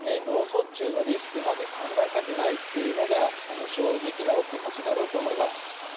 脳卒中のリスクまで考えたくないというのが正直なお気持ちだろうと思います。